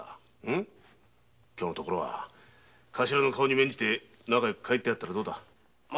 今日のところは頭に免じて仲よく帰ってやったらどうだ。